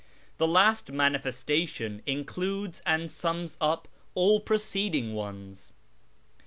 The last ' manifestation ' includes and sums up all preceding ones.